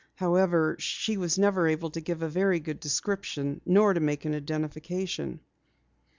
However, she never was able to give a very good description, nor to make an identification."